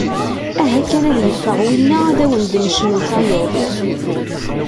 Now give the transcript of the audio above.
Aha kan ad yeffeɣ winna ad awen-d-necnu tayeḍ.